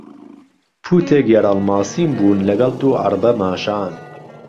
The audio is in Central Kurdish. پووتێک یهرهڵماسیم بوون لهگهڵ دوو عهڕبه ماشان